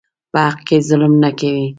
په حق کې ظلم نه کوي.